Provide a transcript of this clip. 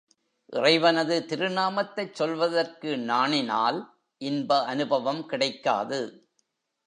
இறைவனது திருநாமத்தைச் சொல்வதற்கு நாணினால் இன்ப அநுபவம் கிடைக்காது.